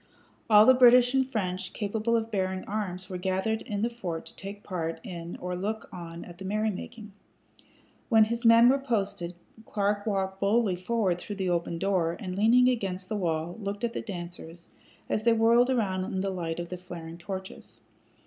All the British and French capable of bearing arms were gathered in the fort to take part in or look on at the merrymaking. When his men were posted Clark walked boldly forward through the open door, and, leaning against the wall, looked at the dancers as they whirled around in the light of the flaring torches.